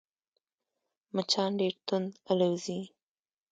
مچان ډېر تند الوزي